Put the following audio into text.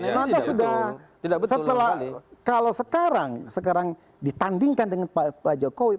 nah lantas sudah kalau sekarang sekarang ditandingkan dengan pak jokowi